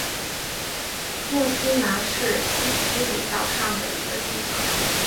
墨西拿是西西里岛上的一个地方。